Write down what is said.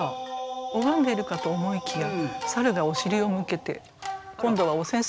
拝んでるかと思いきや猿がお尻を向けて今度はお扇子が尻尾になってます。